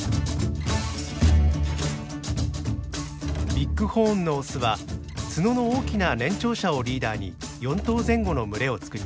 ビッグホーンのオスは角の大きな年長者をリーダーに４頭前後の群れを作ります。